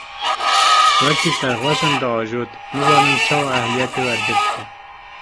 Wekî serxweşan diajot, nizanim çawa ehliyetê wergirtiye.